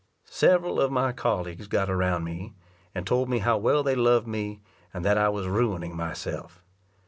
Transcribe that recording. Several of my colleagues got around me, and told me how well they loved me, and that I was ruining myself.